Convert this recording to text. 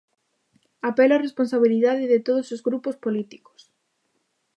Apelo á responsabilidade de todos os grupos políticos.